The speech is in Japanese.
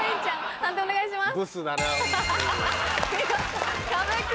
判定お願いします。